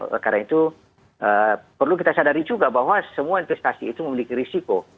oleh karena itu perlu kita sadari juga bahwa semua investasi itu memiliki risiko